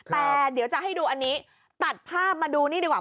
แต่เดี๋ยวจะให้ดูอันนี้ตัดภาพมาดูนี่ดีกว่า